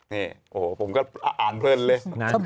นี่โอ้โหผมก็อ่านเพลินเลยนะ